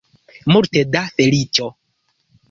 Multe da feliĉo.